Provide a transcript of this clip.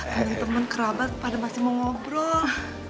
ada temen kerabat pada masih mau ngobrol